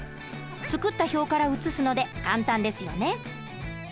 作った表から写すので簡単ですよね。